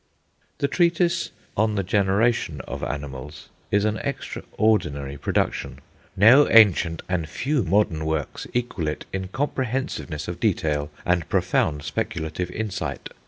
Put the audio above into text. The treatise "On the Generation of Animals" is an extraordinary production. "No ancient and few modern works equal it in comprehensiveness of detail and profound speculative insight.